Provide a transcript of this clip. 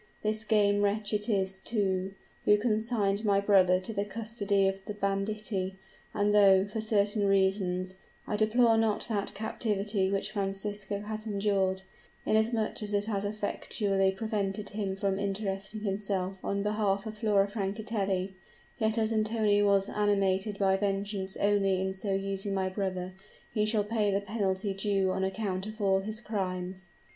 This game wretch it is, too, who consigned my brother to the custody of banditti; and though, for certain reasons, I deplore not that captivity which Francisco has endured, inasmuch as it has effectually prevented him from interesting himself on behalf of Flora Francatelli, yet as Antonio was animated by vengeance only in so using my brother, he shall pay the penalty due on account of all his crimes!"